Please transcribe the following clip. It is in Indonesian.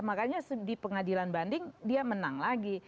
makanya di pengadilan banding dia menang lagi